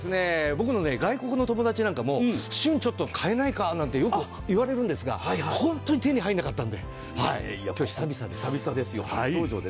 僕の外国の友達なんかも旬、ちょっと買えないかなんてよく言われるんですが本当に手に入らなかったので初登場で。